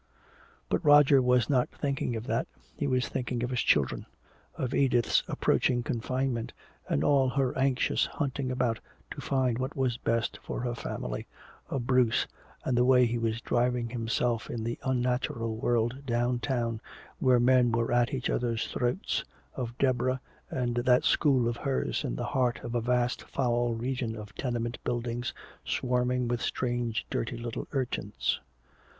But Roger was not thinking of that. He was thinking of his children of Edith's approaching confinement and all her anxious hunting about to find what was best for her family, of Bruce and the way he was driving himself in the unnatural world downtown where men were at each other's throats, of Deborah and that school of hers in the heart of a vast foul region of tenement buildings swarming with strange, dirty little urchins.